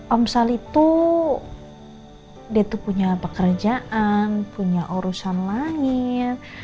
om sal itu dia tuh punya pekerjaan punya urusan langit